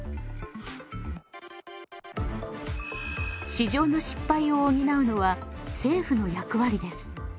市場の失敗を補うのは政府の役割です。